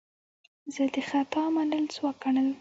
زه د خطا منل ځواک ګڼم.